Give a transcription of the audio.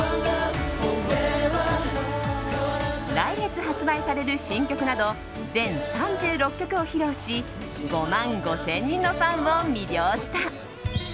来月発売される新曲など全３６曲を披露し５万５０００人のファンを魅了した。